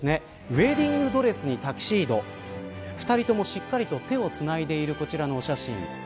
ウエディングドレスにタキシード２人とも、しっかりと手をつないでいるこちらの写真。